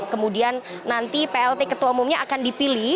kemudian nanti plt ketua umumnya akan dipilih